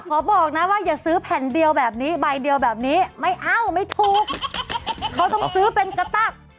บอกนะว่าอย่าซื้อแผ่นเดียวแบบนี้ใบเดียวแบบนี้ไม่เอาไม่ถูกเขาต้องซื้อเป็นกระตัก